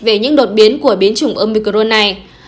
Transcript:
về những đột biến của biến chủng omicron này